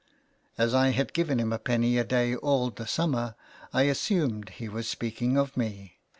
As I had given him a penny a day all the summer, I assumed he was speaking of me.